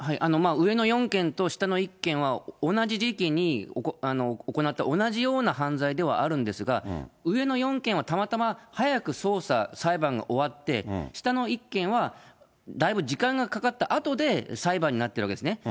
上の４件と下の１件は、同じ時期に行った、同じような犯罪ではあるんですが、上の４件はたまたま早く捜査、裁判が終わって、下の１件はだいぶ時間がかかったあとで、裁判になってるわけですね。